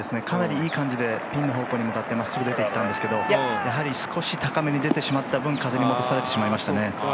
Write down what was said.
かなりいい感じでピンの方向に向かってまっすぐ出ていったんですけどやはり少し高めに出てしまった分、風に戻されてしまいましたね。